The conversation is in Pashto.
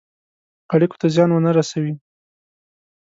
اړېکو ته زیان ونه رسوي.